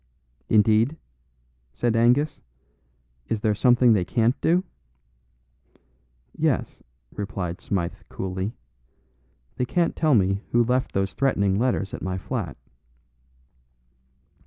"Indeed?" said Angus; "is there something they can't do?" "Yes," replied Smythe coolly; "they can't tell me who left those threatening letters at my flat."